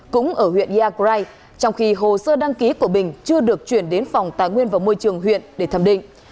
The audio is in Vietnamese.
cũng ở huyện yagrai trong khi hồ sơ đăng ký của bình chưa được chuyển đến phòng tài nguyên và môi trường huyện để thẩm định